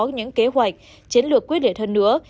những kế hoạch chiến lược quyết định hơn nữa